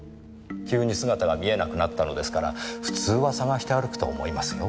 急に姿が見えなくなったのですから普通は捜して歩くと思いますよ。